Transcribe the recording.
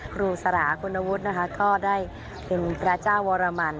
ครูสลาคุณวุฒินะคะก็ได้เป็นพระเจ้าวรมัน